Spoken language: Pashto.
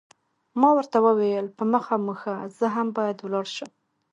ما ورته وویل، په مخه مو ښه، زه هم باید ولاړ شم.